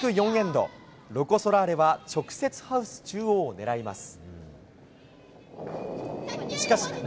ロコ・ソラーレは直接ハウス中央を狙います。